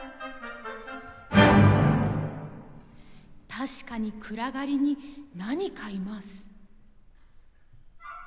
確かに暗がりに何かいます。